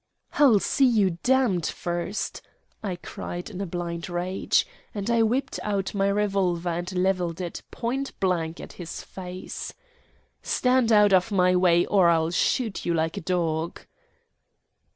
"I'll see you damned first!" I cried in a blind rage, and I whipped out my revolver and levelled it point blank at his face. "Stand out of my way, or I'll shoot you like a dog!"